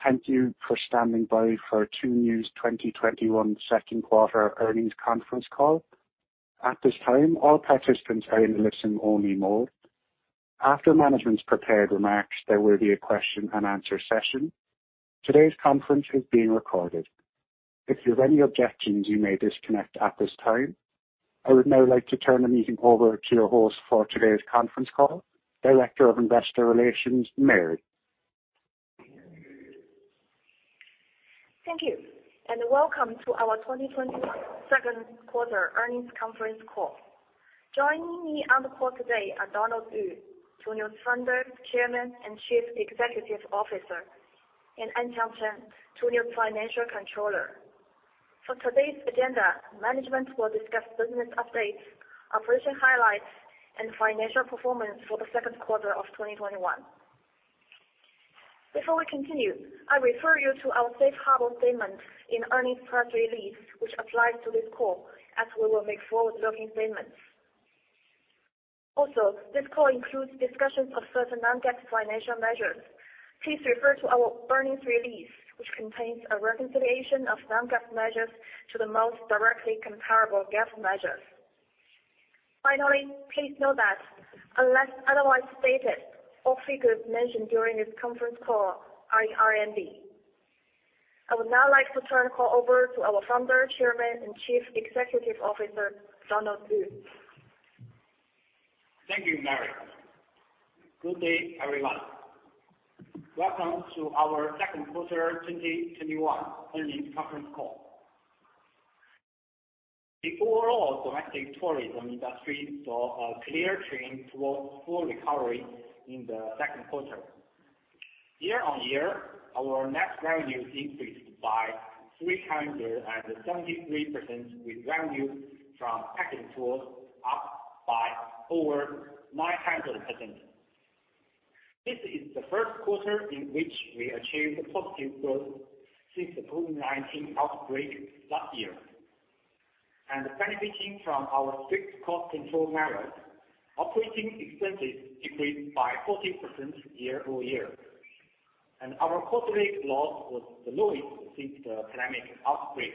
Hello, and thank you for standing by for Tuniu's 2021 second quarter earnings conference call. At this time, all participants are in listen-only mode. After management's prepared remarks, there will be a question and answer session. Today's conference is being recorded. If you have any objections, you may disconnect at this time. I would now like to turn the meeting over to your host for today's conference call, Director of Investor Relations, Mary. Thank you. Welcome to our 2021 second quarter earnings conference call. Joining me on the call today are Donald Yu, Tuniu's Founder, Chairman, and Chief Executive Officer, and Anqiang Chen, Tuniu's Financial Controller. For today's agenda, management will discuss business updates, operation highlights, and financial performance for the second quarter of 2021. Before we continue, I refer you to our safe harbor statement in earnings press release, which applies to this call as we will make forward-looking statements. Also, this call includes discussions of certain non-GAAP financial measures. Please refer to our earnings release, which contains a reconciliation of non-GAAP measures to the most directly comparable GAAP measures. Finally, please note that unless otherwise stated, all figures mentioned during this conference call are in RMB. I would now like to turn the call over to our Founder, Chairman, and Chief Executive Officer, Donald Yu. Thank you, Mary. Good day, everyone. Welcome to our second quarter 2021 earnings conference call. The overall domestic tourism industry saw a clear trend towards full recovery in the second quarter. Year-on-year, our net revenues increased by 373%, with revenues from packaged tours up by over 900%. This is the first quarter in which we achieved positive growth since the COVID-19 outbreak last year. Benefiting from our strict cost control measures, operating expenses decreased by 14% year-over-year, and our quarterly loss was the lowest since the pandemic outbreak.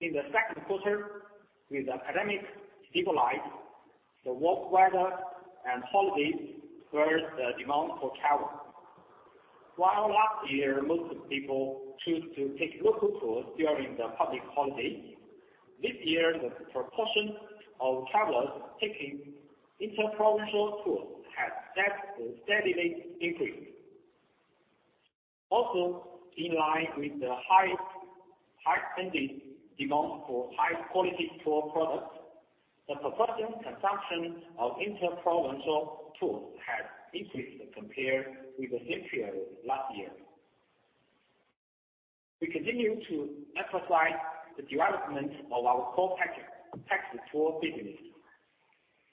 In the second quarter, with the pandemic stabilized, the warm weather and holidays spurred the demand for travel. While last year, most people chose to take local tours during the public holidays, this year, the proportion of travelers taking inter-provincial tours has steadily increased. Also, in line with the heightened demand for high-quality tour products, the proportion consumption of inter-provincial tours has increased compared with the same period last year. We continue to emphasize the development of our core packaged tour business,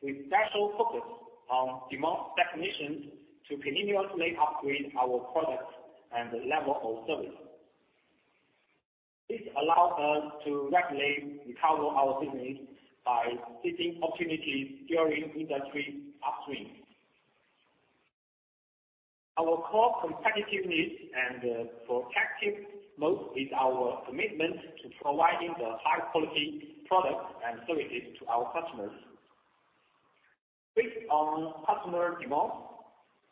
with special focus on demand destinations to continuously upgrade our products and level of service. This allows us to rapidly recover our business by seizing opportunities during industry upswings. Our core competitiveness and protective moat is our commitment to providing the high-quality products and services to our customers. Based on customer demand,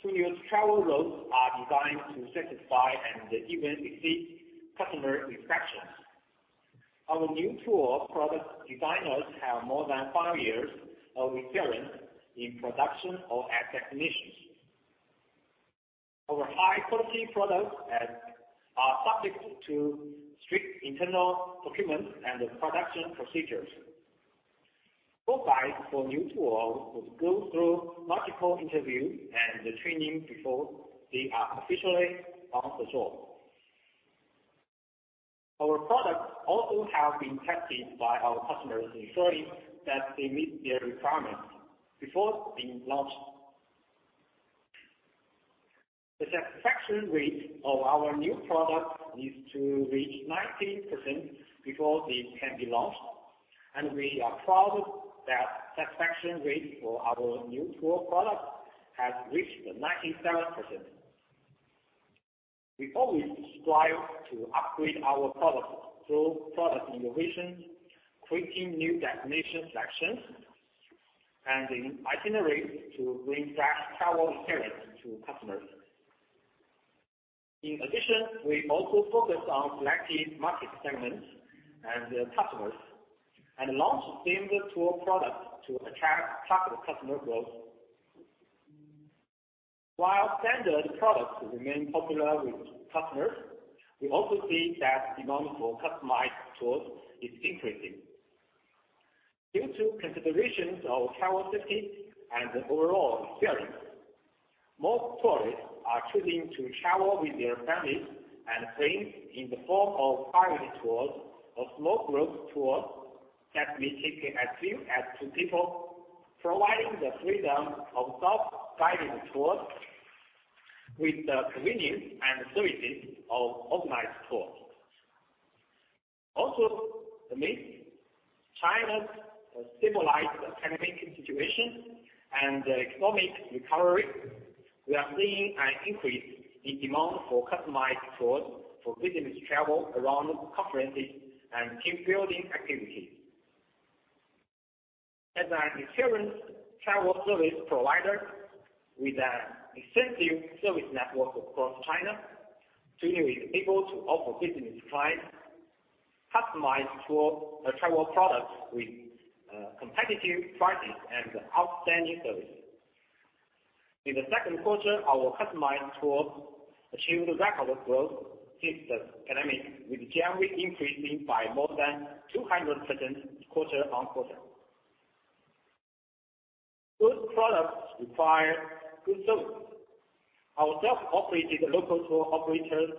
Tuniu's travel routes are designed to satisfy and even exceed customer expectations. Our new tour product designers have more than five years of experience in production or at destinations. Our high-quality products are subject to strict internal procurement and production procedures. Tour guides for new tours must go through multiple interviews and training before they are officially on the job. Our products also have been tested by our customers, ensuring that they meet their requirements before being launched. The satisfaction rate of our new products needs to reach 90% before they can be launched, and we are proud that satisfaction rate for our new tour products has reached 97%. We always strive to upgrade our products through product innovation, creating new destination selections and itineraries to bring fresh travel experiences to customers. In addition, we also focus on selected market segments and customers and launch themed tour products to attract target customer groups. While standard products remain popular with customers, we also see that demand for customized tours is increasing. Due to considerations of travel safety and overall experience, more tourists are choosing to travel with their families and friends in the form of private tours or small group tours that may take as few as two people, providing the freedom of self-guided tours with the convenience and services of organized tours. Amidst China's stabilized pandemic situation and economic recovery, we are seeing an increase in demand for customized tours for business travel around conferences and team-building activities. As an experienced travel service provider with an extensive service network across China, Tuniu is able to offer business clients customized tour travel products with competitive prices and outstanding service. In the second quarter, our customized tours achieved record growth since the pandemic, with GMV increasing by more than 200% quarter-on-quarter. Good products require good service. Our self-operated local tour operators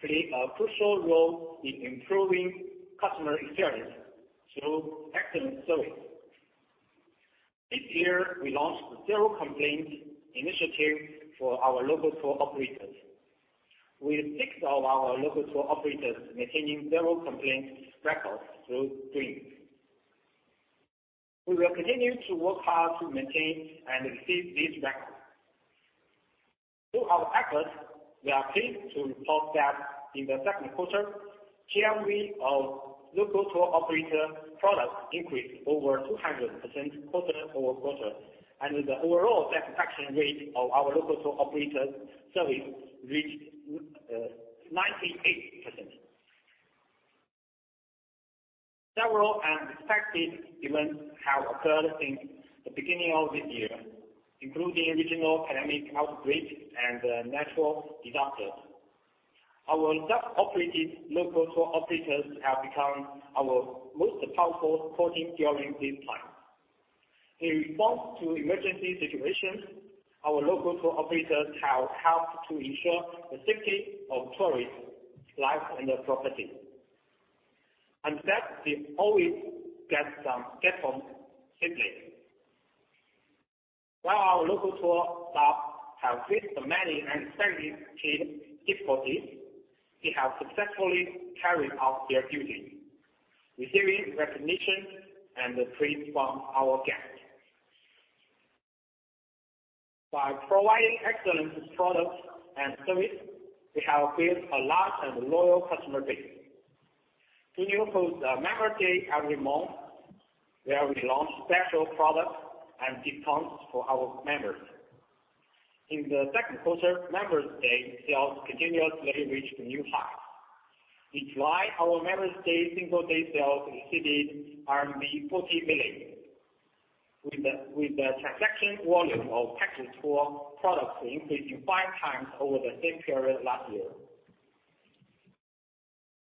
play a crucial role in improving customer experience through excellent service. This year, we launched the Zero Complaints initiative for our local tour operators, with six of our local tour operators maintaining zero complaints records to date. We will continue to work hard to maintain and exceed these records. Through our efforts, we are pleased to report that in the second quarter, GMV of local tour operator products increased over 200% quarter-over-quarter, and the overall satisfaction rate of our local tour operator service reached 98%. Several unexpected events have occurred since the beginning of this year, including regional pandemic outbreaks and natural disasters. Our self-operated local tour operators have become our most powerful moat during this time. In response to emergency situations, our local tour operators have helped to ensure the safety of tourists' lives and their property. That we always get some grateful feedback. While our local tour staff have faced many unexpected difficulties, they have successfully carried out their duty, receiving recognition and praise from our guests. By providing excellent products and service, we have built a large and loyal customer base. Tuniu holds a members' day every month, where we launch special products and discounts for our members. In the second quarter, members' day sales continuously reached new highs. In July, our members' day single-day sale exceeded RMB 40 million, with the transaction volume of package tour products increasing 5x over the same period last year.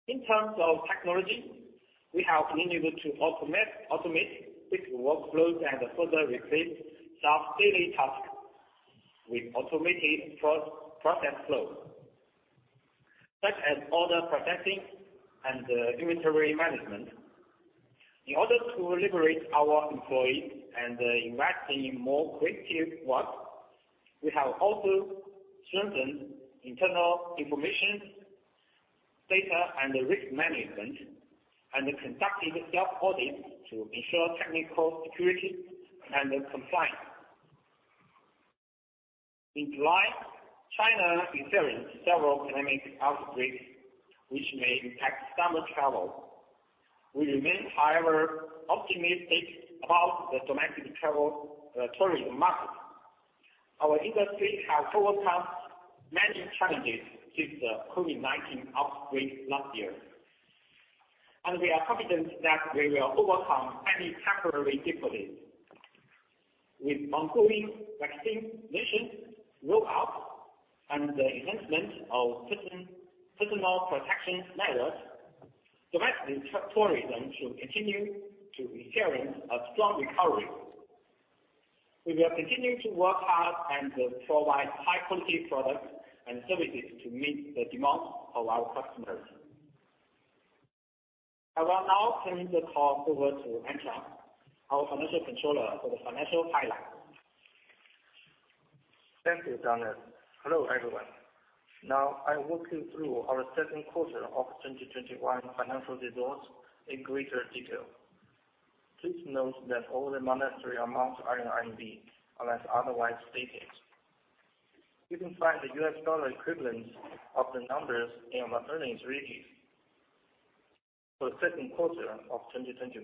In terms of technology, we have been able to automate fixed workflows and further replace staff daily tasks with automated process flow, such as order processing and inventory management. In order to liberate our employees and invest in more creative work, we have also strengthened internal information, data, and risk management, and conducted self-audits to ensure technical security and compliance. In July, China experienced several pandemic outbreaks, which may impact summer travel. We remain, however, optimistic about the domestic travel tourism market. Our industry has overcome many challenges since the COVID-19 outbreak last year, and we are confident that we will overcome any temporary difficulties. With ongoing vaccination rollout and the enhancement of personal protection measures, domestic tourism should continue to experience a strong recovery. We will continue to work hard and provide high-quality products and services to meet the demands of our customers. I will now turn the call over to Anqiang, our Financial Controller, for the financial highlights. Thank you, Donald. Hello, everyone. Now, I walk you through our second quarter of 2021 financial results in greater detail. Please note that all the monetary amounts are in RMB, unless otherwise stated. You can find the U.S. dollar equivalents of the numbers in our earnings release. For the second quarter of 2021,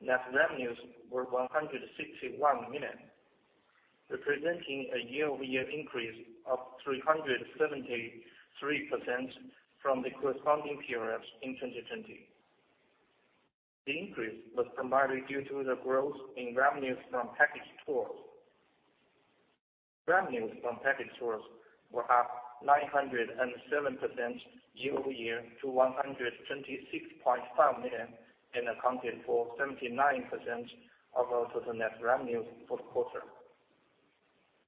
net revenues were 161 million, representing a year-over-year increase of 373% from the corresponding period in 2020. The increase was primarily due to the growth in revenues from package tours. Revenues from package tours were up 907% year-over-year to 126.5 million, and accounted for 79% of our total net revenues for the quarter.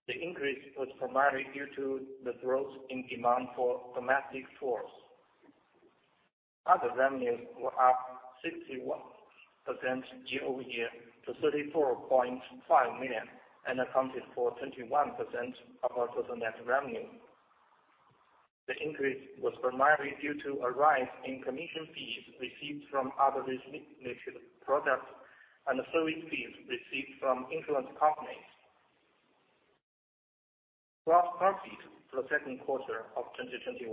The increase was primarily due to the growth in demand for domestic tours. Other revenues were up 61% year-over-year to 34.5 million and accounted for 21% of our total net revenue. The increase was primarily due to a rise in commission fees received from other related products and service fees received from insurance companies. Gross profit for the second quarter of 2021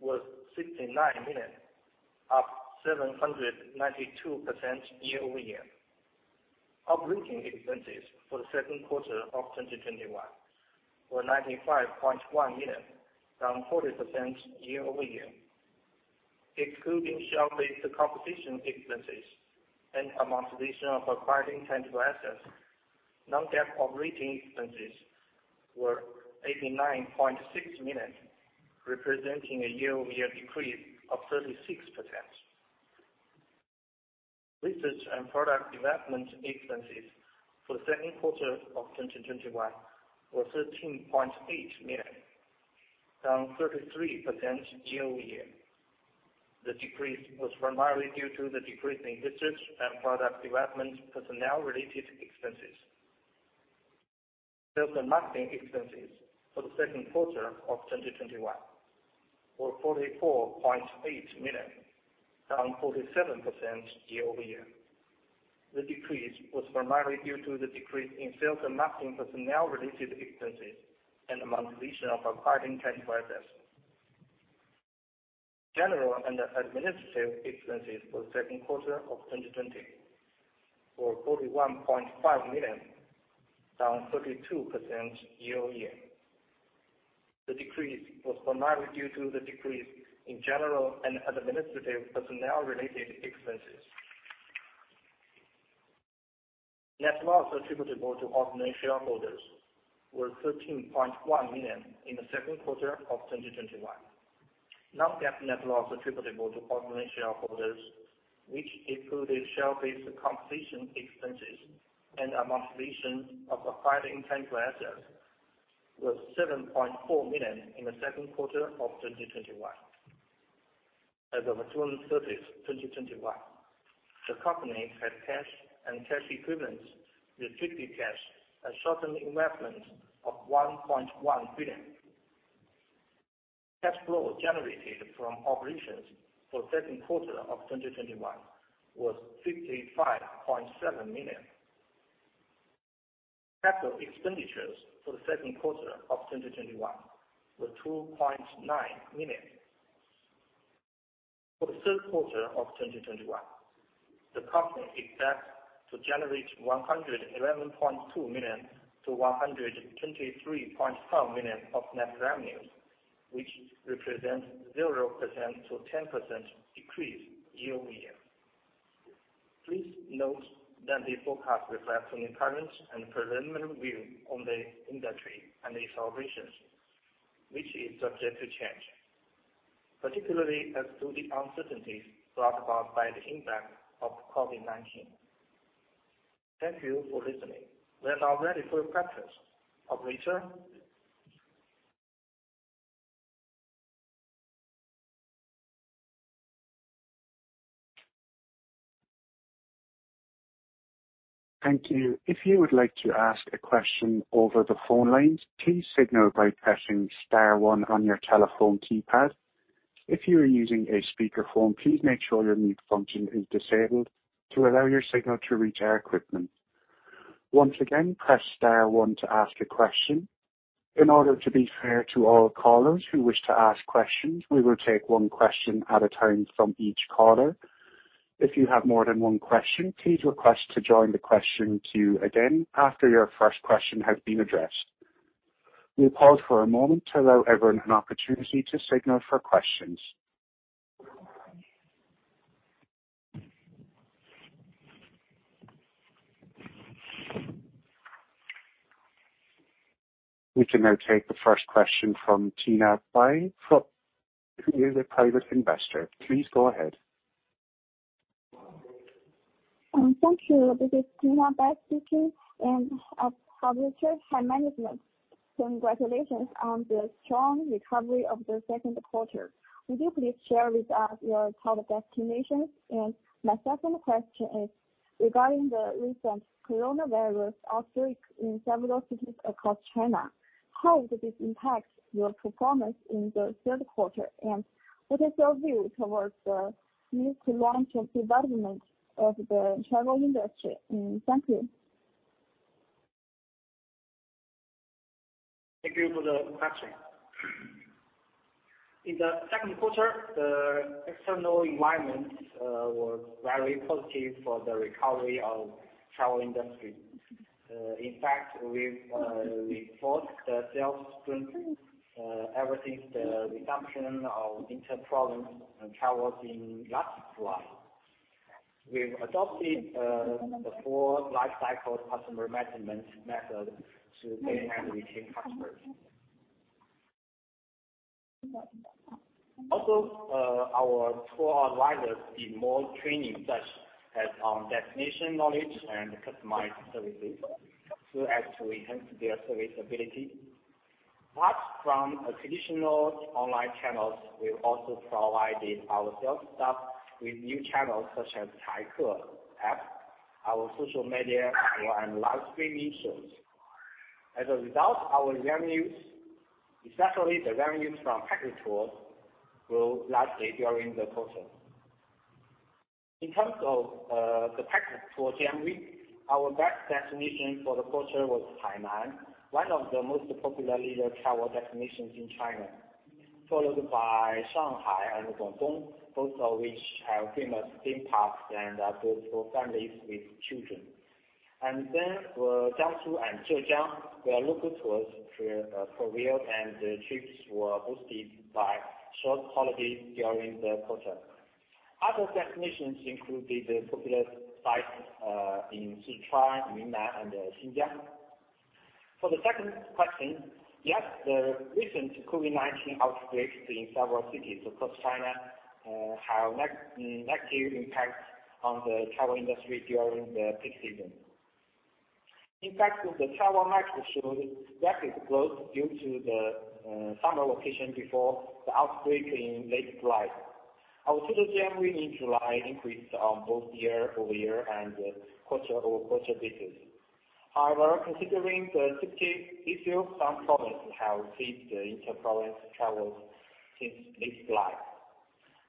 was 69 million, up 792% year-over-year. Operating expenses for the second quarter of 2021 were 95.1 million, down 40% year-over-year. Excluding share-based compensation expenses and amortization of acquired intangible assets, non-GAAP operating expenses were 89.6 million, representing a year-over-year decrease of 36%. Research and product development expenses for the second quarter of 2021 were 13.8 million, down 33% year-over-year. The decrease was primarily due to the decrease in research and product development personnel-related expenses. Sales and marketing expenses for the second quarter of 2021 were 44.8 million, down 47% year-over-year. The decrease was primarily due to the decrease in sales and marketing personnel-related expenses and amortization of acquired intangible assets. General and administrative expenses for the second quarter of 2020 were 41.5 million, down 32% year-over-year. The decrease was primarily due to the decrease in general and administrative personnel-related expenses. Net loss attributable to ordinary shareholders was 13.1 million in the second quarter of 2021. Non-GAAP net loss attributable to ordinary shareholders, which included share-based compensation expenses and amortization of acquired intangible assets, was 7.4 million in the second quarter of 2021. As of June 30th, 2021, the company had cash and cash equivalents, restricted cash, and short-term investments of 1.1 billion. Cash flow generated from operations for the second quarter of 2021 was 55.7 million. Capital expenditures for the second quarter of 2021 were 2.9 million. For the third quarter of 2021, the company expects to generate 111.2 million-123.5 million of net revenues, which represents 0%-10% decrease year-over-year. Please note that the forecast reflects management's current and preliminary view on the industry and its operations, which is subject to change, particularly as to the uncertainties brought about by the impact of COVID-19. Thank you for listening. We are now ready for questions. Operator? Thank you. If you would like to ask a question over the phone lines, please signal by pressing star one on your telephone keypad. If you are using a speakerphone, please make sure your mute function is disabled to allow your signal to reach our equipment. Once again, press star one to ask a question. In order to be fair to all callers who wish to ask questions, we will take one question at a time from each caller. If you have more than one question, please request to join the question queue again after your first question has been addressed. We'll pause for a moment to allow everyone an opportunity to signal for questions. We can now take the first question from Tina Bai who is a private investor. Please go ahead. Thank you. This is Tina Bai speaking. I'm a Publisher, hi, management. Congratulations on the strong recovery of the second quarter. Would you please share with us your top destinations? My second question is regarding the recent coronavirus outbreak in several cities across China. How would this impact your performance in the third quarter? What is your view towards the future launch of development of the travel industry? Thank you. Thank you for the question. In the second quarter, the external environment was very positive for the recovery of travel industry. In fact, we've reinforced the sales strength ever since the resumption of inter-provincial tours in last July. We've adopted the full lifecycle customer management method to gain and retain customers. Also, our tour advisors did more training such as on destination knowledge and customized services to enhance their service ability. Apart from traditional online channels, we've also provided our sales staff with new channels such as Taike app, our social media, and live streaming shows. As a result, our revenues, especially the revenues from package tours, grew largely during the quarter. In terms of the package tour GMV, our best destination for the quarter was Hainan, one of the most popular travel destinations in China, followed by Shanghai and Guangdong, both of which have famous theme parks and are good for families with children. Then Jiangsu and Zhejiang were local tours prevail, and the trips were boosted by short holidays during the quarter. Other destinations included the popular sites in Sichuan, Yunnan, and Xinjiang. For the second question, yes, the recent COVID-19 outbreaks in several cities across China had a negative impact on the travel industry during the peak season. In fact, the travel map shows rapid growth due to the summer vacation before the outbreak in late July. Our total GMV in July increased on both year-over-year and quarter-over-quarter basis. Considering the safety issue, some provinces have ceased the inter-provincial tours since late July.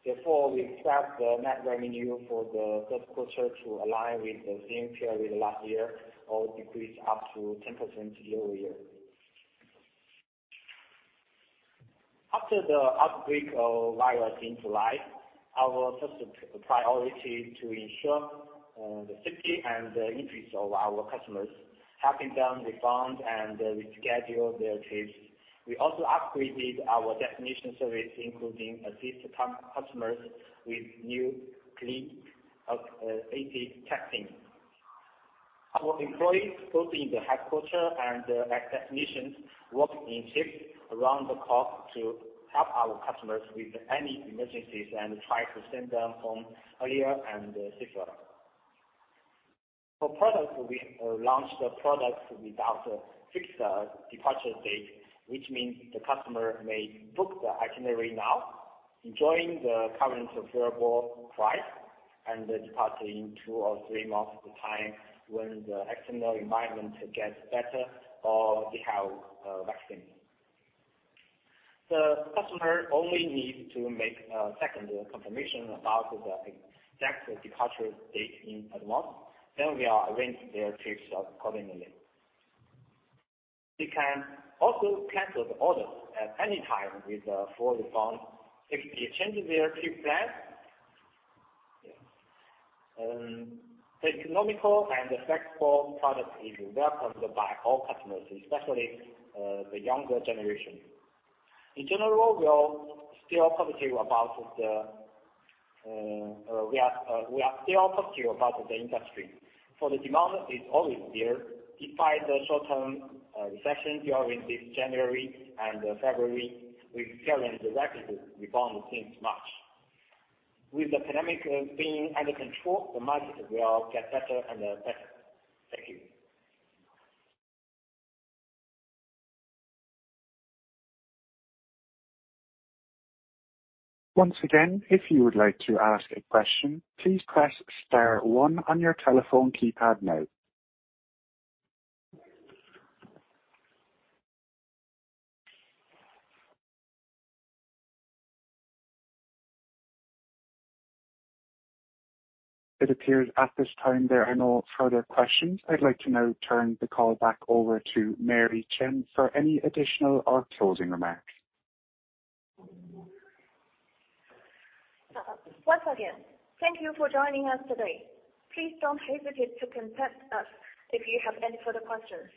Therefore, we expect the net revenue for the third quarter to align with the same period last year or decrease up to 10% year-over-year. After the outbreak of the virus in July, our first priority to ensure the safety and the interest of our customers, helping them refund and reschedule their trips. We also upgraded our destination services, including assist customers with nucleic acid testing. Our employees, both in the headquarters and at destinations, work in shifts around the clock to help our customers with any emergencies and try to send them home earlier and safer. For products, we launched the products without a fixed departure date, which means the customer may book the itinerary now, enjoying the current favorable price, and departing two or three months time when the external environment gets better or they have a vaccine. The customer only needs to make a second confirmation about the exact departure date in advance, then we arrange their trips accordingly. They can also cancel the order at any time with a full refund if they change their trip plan. The economical and flexible product is welcomed by all customers, especially the younger generation. In general, we are still positive about the industry, for the demand is always there. Despite the short-term recession during this January and February, we've experienced rapid rebound since March. With the pandemic being under control, the market will get better and better. Thank you. Once again, if you would like to ask a question, please press star one on your telephone keypad now. It appears at this time there are no further questions. I'd like to now turn the call back over to Mary Chen for any additional or closing remarks. Once again, thank you for joining us today. Please don't hesitate to contact us if you have any further questions.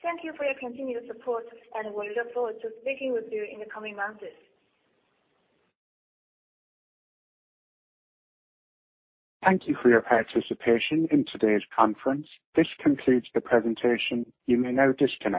Thank you for your continued support, and we look forward to speaking with you in the coming months. Thank you for your participation in today's conference. This concludes the presentation. You may now disconnect.